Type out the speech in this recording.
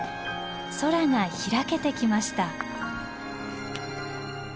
空が開けてきました。